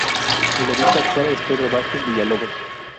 El obispo actual es Pedro Vázquez Villalobos.